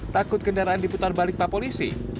takut kendaraan diputar balik pak polisi